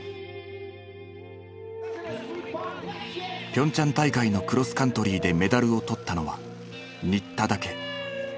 ピョンチャン大会のクロスカントリーでメダルを取ったのは新田だけ。